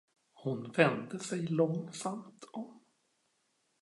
Han vände sig långsamt om.